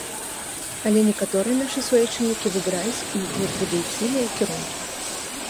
Але некаторыя нашыя суайчыннікі выбіраюць і нетрадыцыйныя кірункі.